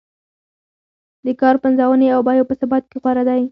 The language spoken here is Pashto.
د کار پنځونې او بیو په ثبات کې غوره دی.